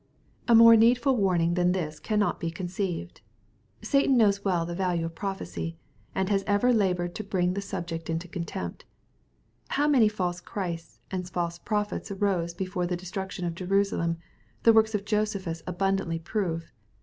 *') A more needful warning than this cannot be conceived. Satan knows well_ the value of prophecy, and has ever labored to bring the subject into contempt. How many false _Christs and false prophets arose before the de struction of Jerusalemfthe works of Josephus abundantly prove.